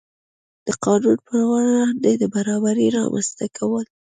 د قانون په وړاندې د برابرۍ رامنځته کول.